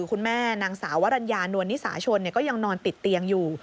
คุณแม่นางสาววรรณญานวรณิสาชนย์ก็ยังนอนติดเตียงอยู่